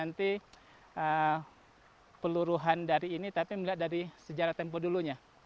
nanti peluruhan dari ini tapi melihat dari sejarah tempo dulunya